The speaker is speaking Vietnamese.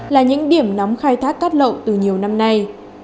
là những điểm nóng khai thác cát lậu từ nhiều năm nay